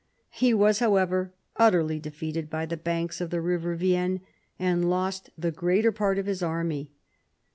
lie was, however, utterly defeated b}'^ the banks of the river Vienne and lost the greater part of his army.